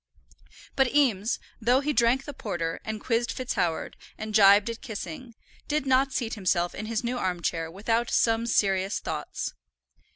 But Eames, though he drank the porter, and quizzed FitzHoward, and gibed at Kissing, did not seat himself in his new arm chair without some serious thoughts.